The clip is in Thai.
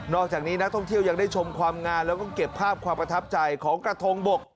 อกจากนี้นักท่องเที่ยวยังได้ชมความงามแล้วก็เก็บภาพความประทับใจของกระทงบก